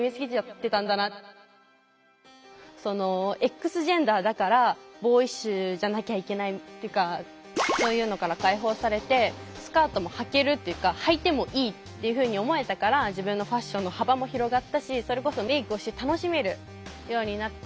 Ｘジェンダーだからボーイッシュじゃなきゃいけないっていうかそういうのから解放されてスカートもはけるっていうかはいてもいいっていうふうに思えたから自分のファッションの幅も広がったしそれこそメークをして楽しめるようになって。